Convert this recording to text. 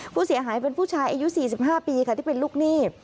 ผู้เสียหายเป็นผู้ชายอายุ๔๕ปีค่ะที่เป็นลูกหนี้